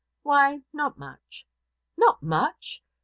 "Why, not much." "Not much!